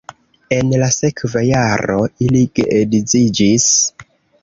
En la sekva jaro ili geedziĝis.